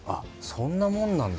そんなもんなんだ。